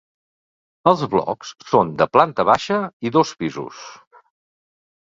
Els blocs són de planta baixa i dos pisos.